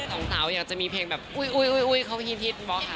สองสาวอยากจะมีเพลงแบบอุ้ยเขาฮิตบล็อกค่ะ